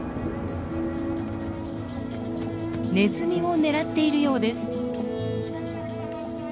ネズミを狙っているようです。